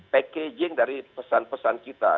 packaging dari pesan pesan kita